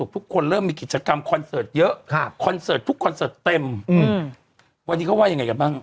พี่ก็ว่ายังไงกับมั่ง